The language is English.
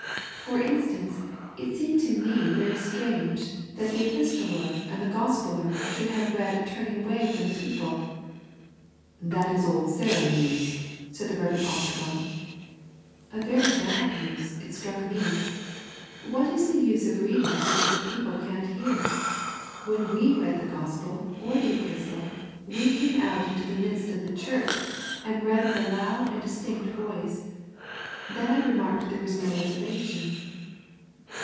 " For instance, it seemed to me very strange that the Epistoller and Gospeller should have read turning away from the people." " That is old Sarum use," said the Rev. Octagon. A very bad use, it struck me, " What is the nse of reading so that people can't hear ? When ice read the gospel or the epistle we came out into the midst of the church and read with a. load and distinct voice. len I remarked there was no reservation."